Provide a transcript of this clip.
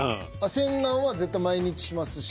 洗顔は絶対毎日しますし。